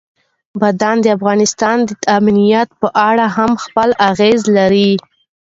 بادام د افغانستان د امنیت په اړه هم خپل اغېز لري.